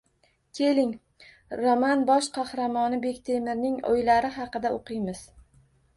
Keling, roman bosh qahramoni Bektemirning o`ylari haqida o`qiymiz